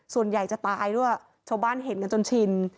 ส่วนใหญ่จะตายด้วยชาวบ้านเห็นกันจนชิน